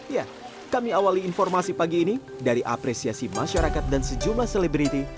ya kami awali informasi pagi ini dari apresiasi masyarakat dan sejumlah selebriti